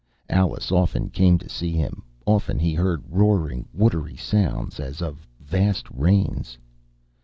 Alice often came to see him. Often he heard roaring, watery sounds, as of vast rains.